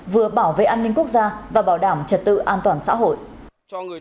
vừa bảo vệ an ninh quốc gia và bảo đảm trật tự an toàn xã hội